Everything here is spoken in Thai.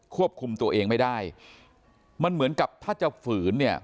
ควบคุมตัวเองไม่ได้มันเหมือนกับถ้าจะฝืนเนี่ย